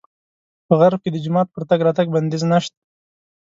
په غرب کې د جومات پر تګ راتګ بندیز نه شته.